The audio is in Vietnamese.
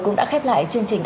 cũng đã khép lại chương trình